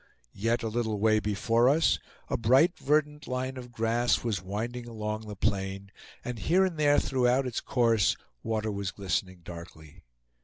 Yet a little way before us, a bright verdant line of grass was winding along the plain, and here and there throughout its course water was glistening darkly.